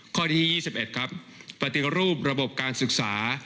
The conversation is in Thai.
ข้อที่๒๑ครับปฏิรูประบบการศึกษา